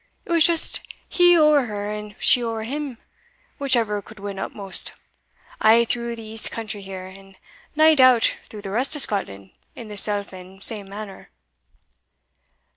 It was just he ower her, and she ower him, whichever could win upmost, a' through the east country here, and nae doubt through the rest o' Scotland in the self and same manner.